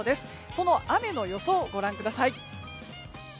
その雨の予想をご覧ください。